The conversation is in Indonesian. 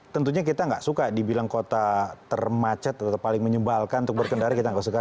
tentunya kita nggak suka dibilang kota termacet atau paling menyebalkan untuk berkendara kita nggak suka